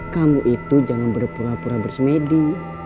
kamu itu jangan berpura pura bersemedi